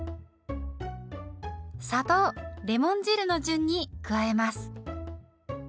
砂糖レモン汁の順に加えます。